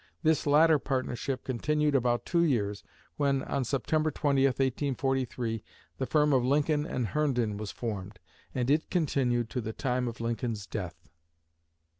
This latter partnership continued about two years, when, on September 20, 1843, the firm of Lincoln & Herndon was formed, and it continued to the time of Lincoln's death.